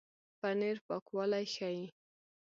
پنېر پاکوالی ښيي.